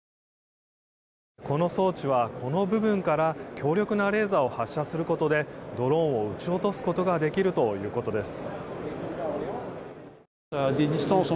この装置は、この部分から強力なレーザーを発射することでドローンを撃ち落とすことができるということです。